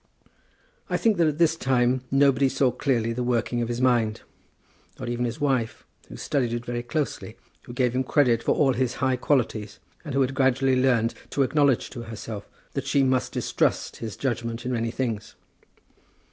I think that at this time nobody saw clearly the working of his mind, not even his wife, who studied it very closely, who gave him credit for all his high qualities, and who had gradually learned to acknowledge to herself that she must distrust his judgment in many things.